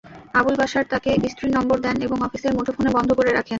আবুল বাশার তাকে স্ত্রীর নম্বর দেন এবং অফিসের মুঠোফোন বন্ধ করে রাখেন।